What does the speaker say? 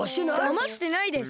だましてないです！